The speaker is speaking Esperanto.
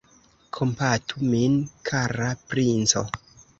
Kompatu min, kara princo!